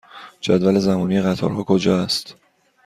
جدول زمانی قطارها کجا است؟